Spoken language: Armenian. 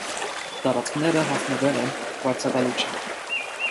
Տարածքները հանձնվել են վարձակալությամբ։